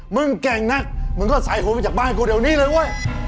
มึงแกงนักมึงก็ใส่หัวไปจากบ้านกูเดี๋ยวนี้เลยว่ะ